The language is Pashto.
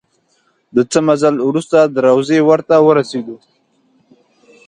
د څه مزل وروسته د روضې ور ته ورسېدو.